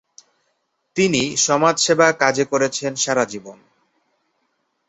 তিনি সমাজসেবা কাজে করেছেন সারা জীবন।